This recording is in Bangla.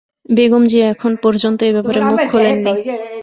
বেগম জিয়া এখন পর্যন্ত এ ব্যাপারে মুখ খোলেননি।